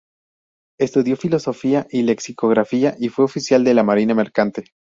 Estudió Filología y Lexicografía y fue oficial de la marina mercante.